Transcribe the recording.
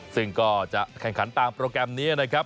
ซึ่งก็จะแข่งขันตามโปรแกรมนี้นะครับ